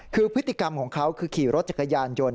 คือพฤติกรรมของเขาคือขี่รถจักรยานยนต์